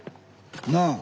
なあ。